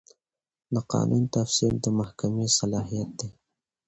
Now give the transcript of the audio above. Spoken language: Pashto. د قانون تفسیر د محکمې صلاحیت دی.